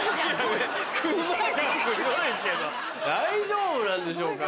大丈夫なんでしょうか？